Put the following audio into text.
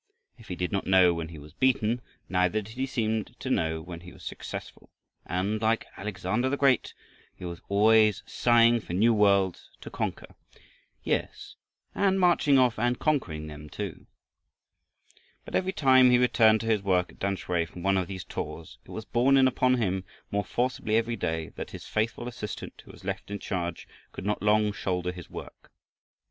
If he "did not know when he was beaten," neither did he seem to know when he was successful; and like Alexander the Great he was always sighing for new worlds to conquer, yes, and marching off and conquering them too. But every time he returned to his work at Tamsui from one of these tours, it was borne in upon him more forcibly every day that his faithful assistant who was left in charge, could not long shoulder his work. Mr.